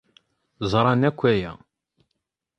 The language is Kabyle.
Ẓran akk aya.